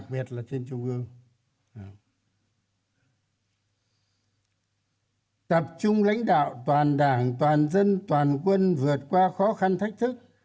bàn chấp hành trung ương tin rằng